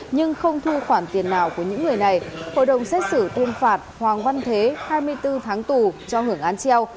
nhưng không thu khoản tiền nào của những người này hội đồng xét xử tuyên phạt hoàng văn thế hai mươi bốn tháng tù cho hưởng án treo